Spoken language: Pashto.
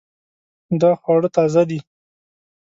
دا خواړه تازه دي